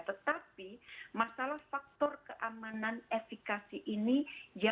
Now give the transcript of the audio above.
tetapi masalah faktor keamanan efekasinya